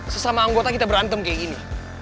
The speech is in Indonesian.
sesama anggota kita berantem kayak gini